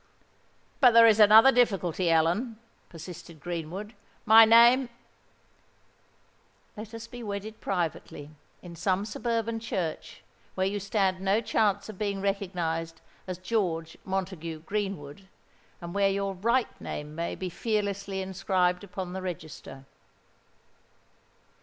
"But there is another difficulty, Ellen," persisted Greenwood: "my name——" "Let us be wedded privately—in some suburban church, where you stand no chance of being recognised as George Montague Greenwood, and where your right name may be fearlessly inscribed upon the register."